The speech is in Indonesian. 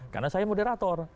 karena saya moderator